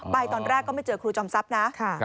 ตอนแรกก็ไม่เจอครูจอมทรัพย์นะ